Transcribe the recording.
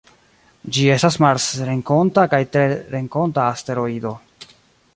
Ĝi estas marsrenkonta kaj terrenkonta asteroido.